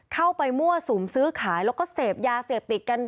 มั่วสุมซื้อขายแล้วก็เสพยาเสพติดกัน